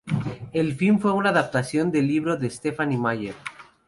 El film fue una adaptación del libro de Stephenie Meyer.